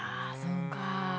あそうか。